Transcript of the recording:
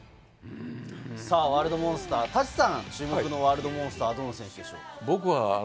ワールドモンスター、舘さん、注目のワールドモンスターの選手でしょう？